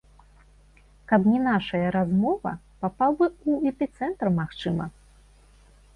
Каб не нашая размова, папаў бы ў эпіцэнтр магчыма.